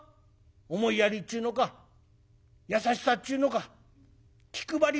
思いやりっちゅうのか優しさっちゅうのか気配り